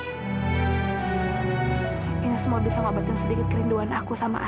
ini semua bisa mengobatin sedikit kerinduan aku sama ayah